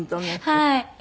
はい。